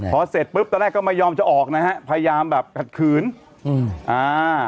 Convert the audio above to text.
พอเสร็จปุ๊บตอนแรกก็ไม่ยอมจะออกนะฮะพยายามแบบขัดขืนอืมอ่า